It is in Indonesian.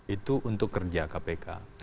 itu untuk kerja kpk